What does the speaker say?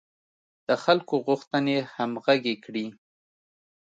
د خلکو غوښتنې همغږې کړي.